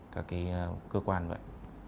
các cái cơ quan vậy